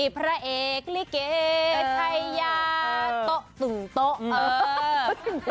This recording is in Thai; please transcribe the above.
พระเอกลิเกตไทยาตกตึงตก